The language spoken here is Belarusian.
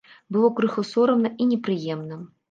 Было крыху сорамна і непрыемна.